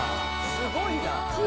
すごいな。